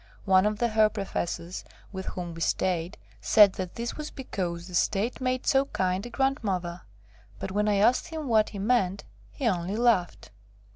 One of the Herr Professors, with whom we stayed, said that this was because the State made so kind a Grandmother, but when I asked him what he meant, he only laughed.